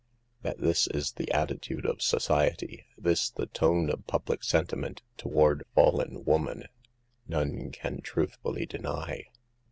That this is the attitude of society, this the tone of public sentiment, toward fallen woman, none can truthfully deny.